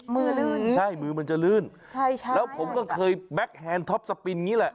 ลื่นใช่มือมันจะลื่นใช่ใช่แล้วผมก็เคยแก๊คแฮนท็อปสปินอย่างนี้แหละ